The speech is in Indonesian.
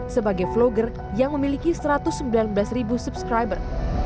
sebagai vlogger yang memiliki satu ratus sembilan belas ribu subscriber